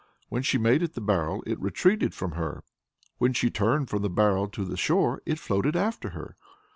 When she made at the barrel, it retreated from her: when she turned from the barrel to the shore, it floated after her.